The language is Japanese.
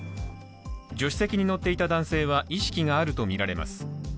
助手席に乗っていた男性は意識があるとみられます。